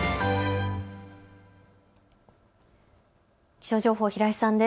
気象情報、平井さんです。